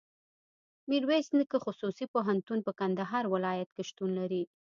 ميرویس نيکه خصوصي پوهنتون په کندهار ولایت کي شتون لري.